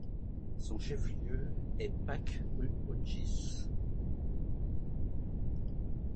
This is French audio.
Son chef-lieu est Pakruojis.